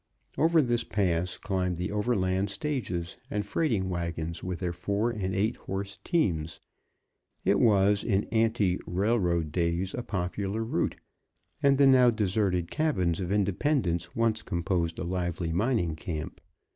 Over this pass, climbed the overland stages and freighting wagons with their four and eight horse teams. It was, in ante railroad days, a popular route, and the now deserted cabins of Independence once composed a lively mining camp.